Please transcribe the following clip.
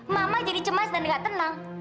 mama jadi cemas dan gak tenang